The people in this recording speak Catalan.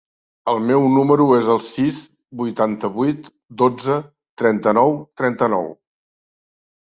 El meu número es el sis, vuitanta-vuit, dotze, trenta-nou, trenta-nou.